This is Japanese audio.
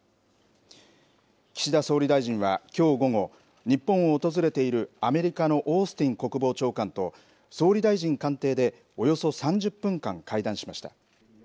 岸田総理大臣はきょう午後日本を訪れているアメリカのオースティン国防長官と総理大臣官邸でおよそ３０分間、会談しました。